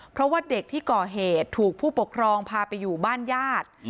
เพราะว่าเด็กที่ก่อเหตุถูกผู้ปกครองพาไปอยู่บ้านญาติ